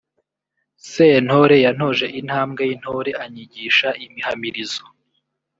Sentore yantoje intambwe y’intore anyigisha imihamirizo